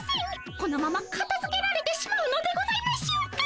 このままかたづけられてしまうのでございましょうか。